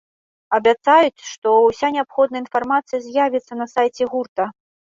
Абяцаюць, што ўся неабходная інфармацыя з'явіцца на сайце гурта.